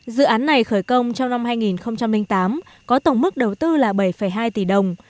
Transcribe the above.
dự án này khởi công trong năm hai nghìn tám có tổng mức đầu tư là bảy hai tỷ đồng